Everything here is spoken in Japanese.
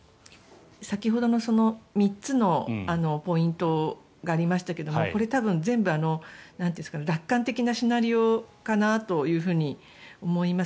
先ほどの３つのポイントがありましたけどこれ、多分、全部楽観的なシナリオかなと思います。